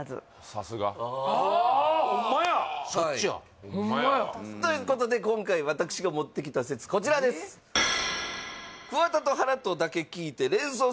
・さすが・ああホンマやそっちやということで今回私が持ってきた説こちらですええ